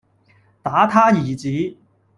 打他兒子，